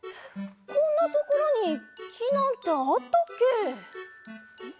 こんなところにきなんてあったっけ？